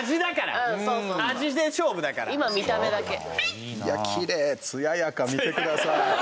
今見た目だけきれいつややか見てください